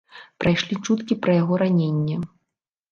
Прайшлі чуткі пра яго раненне.